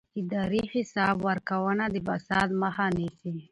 اداري حساب ورکونه د فساد مخه نیسي